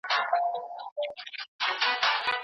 پخوا څېړونکو یوازې په بدیع او بیان تکیه کوله.